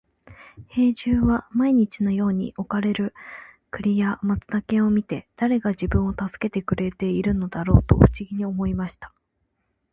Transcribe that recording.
兵十は毎日のように置かれる栗や松茸を見て、誰が自分を助けてくれているのだろうと不思議に思いました。